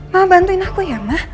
ma bantuin aku ya ma